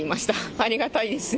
ありがたいです。